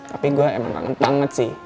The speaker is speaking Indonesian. tapi gue emang kangen banget sih